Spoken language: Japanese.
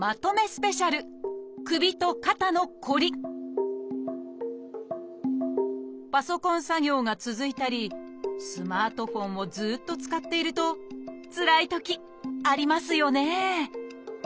スペシャルパソコン作業が続いたりスマートフォンをずっと使っているとつらいときありますよね